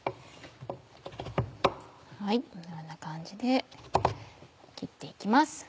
このような感じで切って行きます。